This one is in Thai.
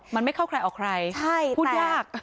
มันไม่เข้าใครออกใครพูดยาก